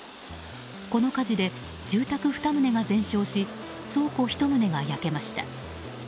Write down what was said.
この火事で住宅２棟が全焼し倉庫１棟が焼けました。